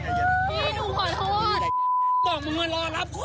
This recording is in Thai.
ทำไมเนี่ยหนูขอโทษ